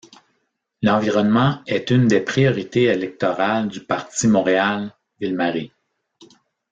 L’environnement est une des priorités électorales du Parti Montréal - Ville-Marie.